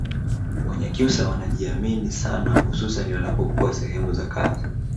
Wanyakyusa wanajiamini sana hususani wanapokuwa sehemu za kazi